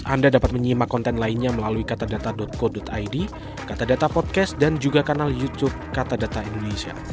anda dapat menyimak konten lainnya melalui katadata co id katadata podcast dan juga kanal youtube katadata indonesia